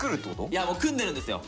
いやもう組んでるんですよ。